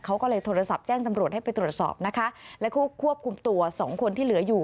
เขาก็เลยโทรศัพท์แจ้งตำรวจให้ไปตรวจสอบนะคะแล้วก็ควบคุมตัวสองคนที่เหลืออยู่